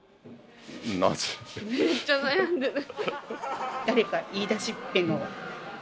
めっちゃ悩んでる。